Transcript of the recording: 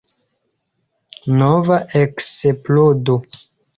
Nova eksplodo.